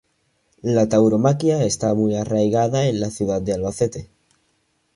La tauromaquia está muy arraigada en la ciudad de Albacete.